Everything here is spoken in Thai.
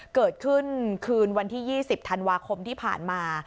เกิดขึ้นคืนวันที่๒๐ธันวาคมที่ผ่านมา